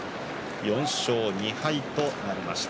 ４勝２敗となりました。